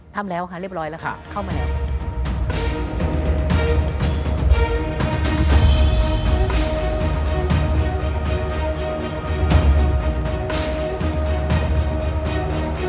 ทำแล้วค่ะเรียบร้อยแล้วค่ะ